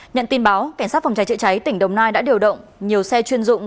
nhận tin báo cảnh sát phòng cháy chữa cháy tỉnh đồng nai đã điều động nhiều xe chuyên dụng